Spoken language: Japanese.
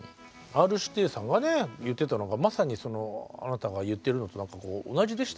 Ｒ−指定さんがね言ってたのがまさにあなたが言ってるのと同じでしたね。